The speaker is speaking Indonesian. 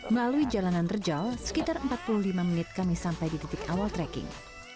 melalui jalanan terjal sekitar empat puluh lima menit kami sampai di titik awal trekking